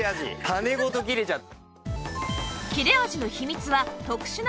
種ごと切れちゃう。